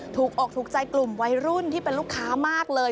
อกถูกใจกลุ่มวัยรุ่นที่เป็นลูกค้ามากเลย